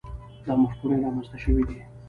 دا مفکورې رامنځته شوي دي.